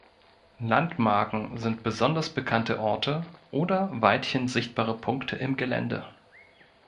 Landmarken sind besonders bekannte Orte oder weithin sichtbare Punkte im Gelände.